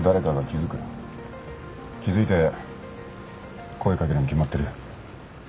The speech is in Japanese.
気づいて声かけるに決まってる。